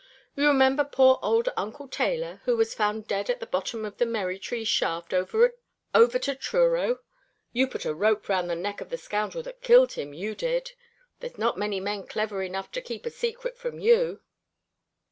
"You remember poor old uncle Taylor, who was found dead at the bottom of the Merrytree shaft over to Truro? You put a rope round the neck of the scoundrel that killed him, you did. There's not many men clever enough to keep a secret from you."